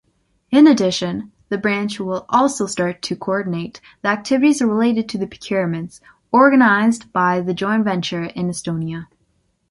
In addition, the branch will also start to coordinate the activities related to the procurements organized by the join venture in Estonia.